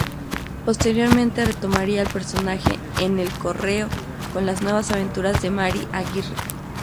Posteriormente retomaría el personaje en "El Correo" con "Las Nuevas Aventuras de Mari Aguirre".